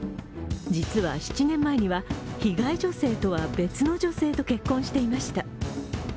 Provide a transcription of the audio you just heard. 実は、７年前には被害女性とは別の女性と結婚していました。